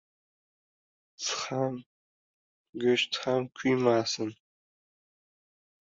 • Six ham, go‘sht ham kuymasin.